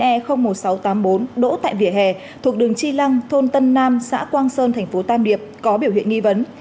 hai mươi chín e một nghìn sáu trăm tám mươi bốn đỗ tại vỉa hè thuộc đường tri lăng thôn tân nam xã quang sơn tp tam hiệp có biểu hiện nghi vấn